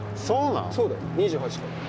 そうだよ。